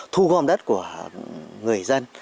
thu gom đất của người dân